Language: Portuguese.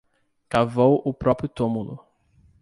Cavou o próprio túmulo